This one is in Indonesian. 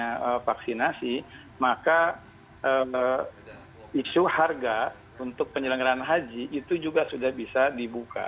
karena vaksinasi maka isu harga untuk penyelenggaran haji itu juga sudah bisa dibuka